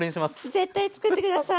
絶対つくって下さい！